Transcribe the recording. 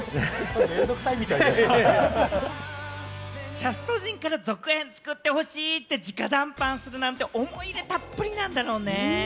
キャスト陣から続編作ってほしいって直談判するなんて、思い入れたっぷりなんだろうね。